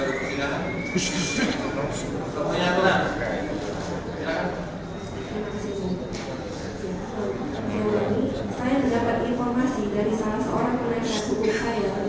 kandungan yang berada di rumah sakit abdiwaluyo